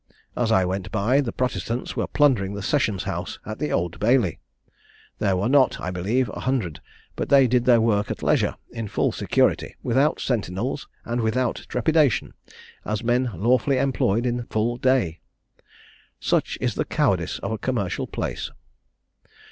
As I went by, the Protestants were plundering the Sessions House at the Old Bailey. There was not, I believe, a hundred; but they did their work at leisure, in full security, without sentinels, and without trepidation, as men lawfully employed in full day. Such is the cowardice of a commercial place!